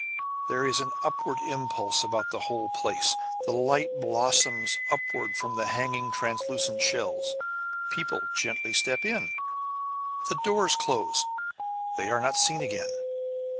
There is an upward impulse about the whole place: the light blossoms upward from the hanging translucent shells: people step gently in, the doors close, they are not seen again.